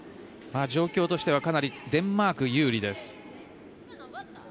状況としてはかなりデンマーク有利です。